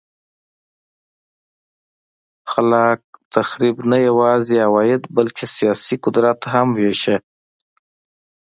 خلاق تخریب نه یوازې عواید بلکه سیاسي قدرت هم وېشه.